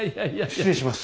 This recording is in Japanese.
失礼します。